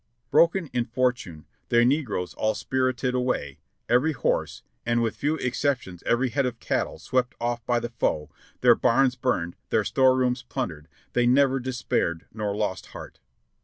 Broken in fortune, their negroes all spirited away, every horse, and with few exceptions every head of cattle swept ofif by the foe, their barns burned, their store rooms plundered, they never despaired nor lost heart.